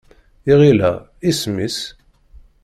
Iɣil-a, isem-is?